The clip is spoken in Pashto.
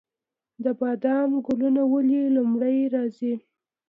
د بادام ګلونه ولې لومړی راځي؟